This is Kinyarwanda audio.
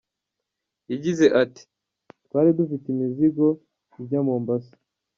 Yagize ati “Twari dufite imizigo ijya Mombasa.